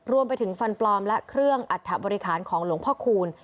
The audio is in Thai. รวมไปถึงฟันปลอมและเครื่องอัฐบริหารของหลวงพ่อคูณ